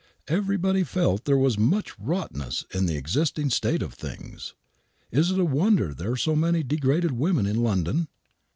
Everybody felt there was much rottenness in the existing state of things. Is it a wonder there are so many degraded women in London